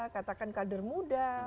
katakan kader muda